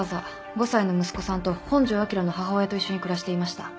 ５歳の息子さんと本庄昭の母親と一緒に暮らしていました。